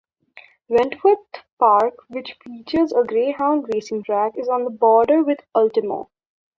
Wentworth Park, which features a greyhound racing track, is on the border with Ultimo.